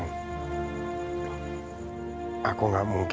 tapi sekarang itu semua gak mungkin